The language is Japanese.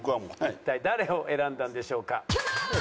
一体誰を選んだんでしょうか？